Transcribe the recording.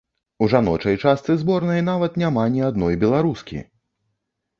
У жаночай частцы зборнай нават няма ні адной беларускі!